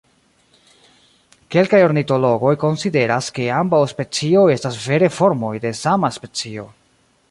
Kelkaj ornitologoj konsideras, ke ambaŭ specioj estas vere formoj de sama specio.